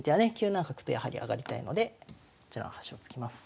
９七角とやはり上がりたいのでこちらの端を突きます。